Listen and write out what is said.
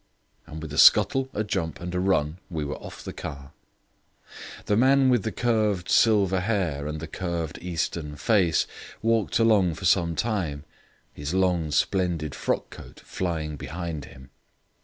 And with a scuttle, a jump, and a run, we were off the car. The man with the curved silver hair and the curved Eastern face walked along for some time, his long splendid frock coat flying behind him.